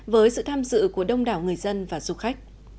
với sự tham dự của đông đảo người dân và du khách